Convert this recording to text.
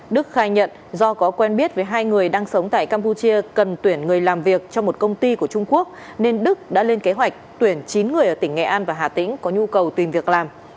đức khai nhận do có quen biết với hai người đang sống tại campuchia cần tuyển người làm việc cho một công ty của trung quốc nên đức đã lên kế hoạch tuyển chín người ở tỉnh nghệ an và hà tĩnh có nhu cầu tìm việc làm